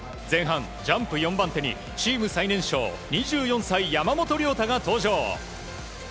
前半、ジャンプ４番手にチーム最年少２４歳、山本涼太が登場。